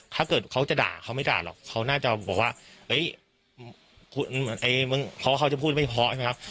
ถ้าเกิดเขาจะด่าเขาไม่ด่าหรอกเขาน่าจะบอกว่าเฮ้ยเพราะเขาจะพูดไม่เพราะใช่ไหมครับ